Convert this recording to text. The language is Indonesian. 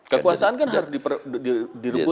kekuasaan kan harus direbut untuk